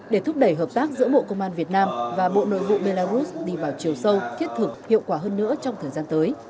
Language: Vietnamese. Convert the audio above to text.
để thúc đẩy hợp tác giữa bộ công an việt nam và bộ nội vụ belarus đi vào chiều sâu thiết thực hiệu quả hơn nữa trong thời gian tới